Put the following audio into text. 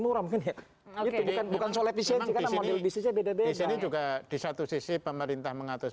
murah mungkin bukan soal efisiensi model bisnisnya beda beda juga di satu sisi pemerintah mengatur